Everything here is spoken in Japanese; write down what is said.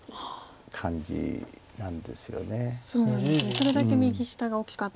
それだけ右下が大きかった。